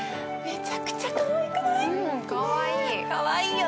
めちゃくちゃかわいくない？